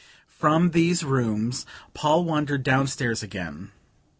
From these rooms Paul wandered downstairs again.